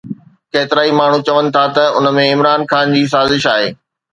ڪيترائي ماڻهو چون ٿا ته ان ۾ عمران خان جي سازش آهي